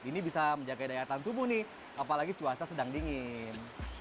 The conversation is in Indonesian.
ini bisa menjaga daya tahan tubuh nih apalagi cuaca sedang dingin